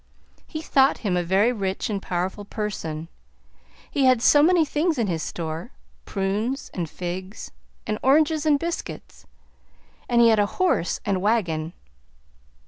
He thought him a very rich and powerful person, he had so many things in his store, prunes and figs and oranges and biscuits, and he had a horse and wagon.